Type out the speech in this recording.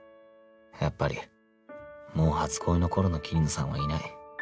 やっぱりもう初恋の頃の桐野さんはいない